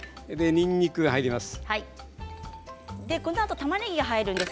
にんにくが入ります。